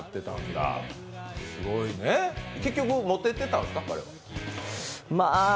結局、モテてたんですか、彼は？